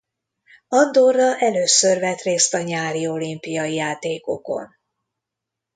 Andorra először vett részt a nyári olimpiai játékokon.